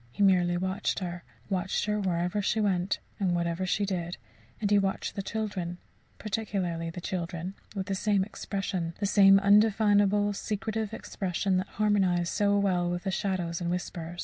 He merely watched her watched her wherever she went, and whatever she did; and he watched the children particularly the children with the same expression, the same undefinable secretive expression that harmonized so well with the shadows and whispers.